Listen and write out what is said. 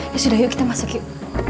ya sudah yuk kita masuk yuk